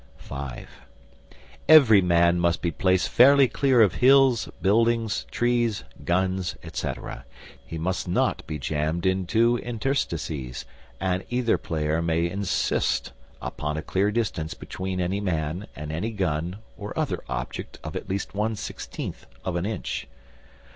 (V) Every man must be placed fairly clear of hills, buildings, trees, guns, etc. He must not be jammed into interstices, and either player may insist upon a clear distance between any man and any gun or other object of at least one sixteenth of an inch.